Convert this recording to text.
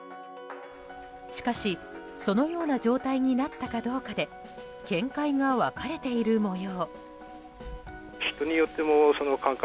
しかし、そのような状態になったかどうかで見解が分かれている模様。